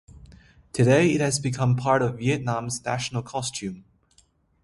Today, it has become part of Vietnam's national costume.